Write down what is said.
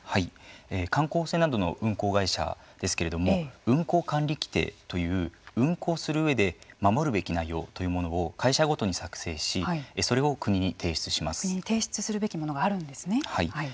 観光船などの運航会社ですけれども運航管理規定という運航する上で守るべき内容というものを会社ごとに作成し国に提出すべきものがあるはい。